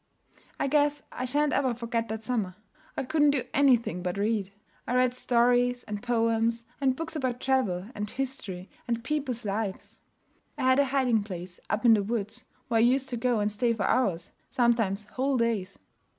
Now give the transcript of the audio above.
I guess I shan't ever forget that summer. I couldn't do anything but read. I read stories and poems and books about travel and history and peoples' lives. I had a hiding place up in the woods, where I used to go and stay for hours, sometimes whole days.